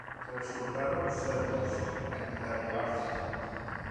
Resultaron ser dos, en realidad.